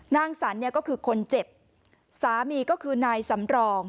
นางสรรเนี่ยก็คือคนเจ็บสามีก็คือนายสำรอง